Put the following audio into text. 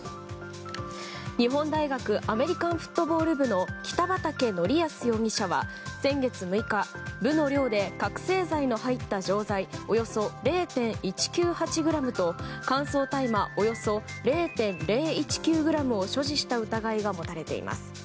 日本大学アメリカンフットボール部の北畠成文容疑者は先月６日部の寮で覚醒剤の入った錠剤およそ０．１９８ｇと乾燥大麻およそ０．０１９ｇを所持した疑いが持たれています。